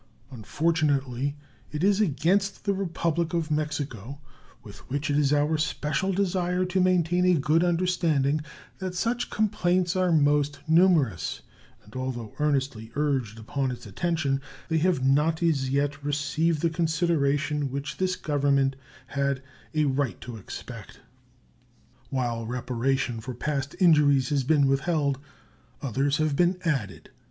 Unfortunately, it is against the Republic of Mexico, with which it is our special desire to maintain a good understanding, that such complaints are most numerous; and although earnestly urged upon its attention, they have not as yet received the consideration which this Government had a right to expect. While reparation for past injuries has been withheld, others have been added.